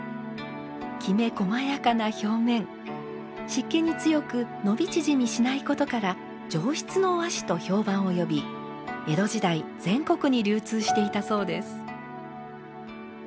湿気に強く伸び縮みしないことから上質の和紙と評判を呼び江戸時代全国に流通していたそうです。